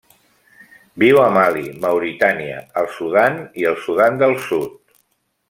Viu a Mali, Mauritània, el Sudan i el Sudan del Sud.